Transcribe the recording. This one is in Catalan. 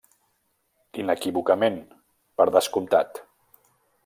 Inequívocament, per descomptat.